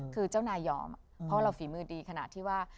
คือเจ้านายยอมเพราะเราฝีมือดีขนาดที่ว่า